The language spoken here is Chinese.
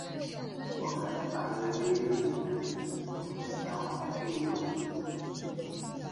我们反对非正义战争，我们向往自由与和平